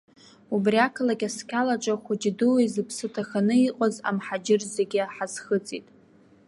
Убри ақалақь асқьалаҿы хәыҷи-дуи, зыԥсы ҭаханы иҟаз амҳаџьыр зегьы хаӡхыҵит.